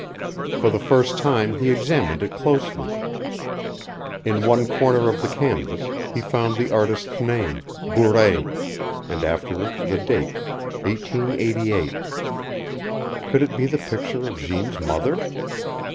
For the first time he examined it closely. In one corner of the canvas he found the artist's name, Bourret, and after it the date, 1888. Could it be the picture of Jeanne's mother?